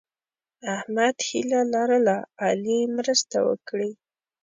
احمد هیله لرله علي مرسته وکړي.